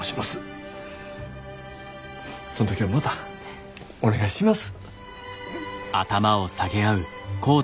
その時はまたお願いします。